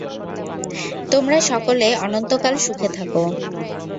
তোমরা সকলে অনন্তকাল সুখে থাক।